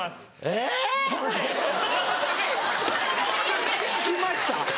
えぇ⁉聞きました？